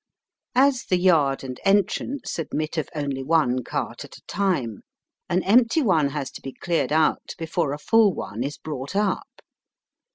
As the yard and entrance admit of only one cart at a time, an empty one has to be cleared out before a fall one is brought up.